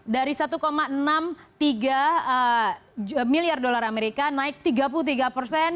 dari satu enam puluh tiga miliar dolar amerika naik tiga puluh tiga persen